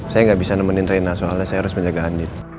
saya nggak bisa nemenin rena soalnya saya harus menjaga andil